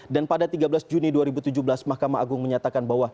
dan pada tiga belas juni dua ribu tujuh belas mahkamah agung menyatakan bahwa